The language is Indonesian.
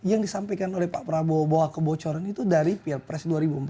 yang disampaikan oleh pak prabowo bahwa kebocoran itu dari pilpres dua ribu empat belas